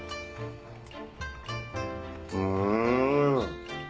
うん。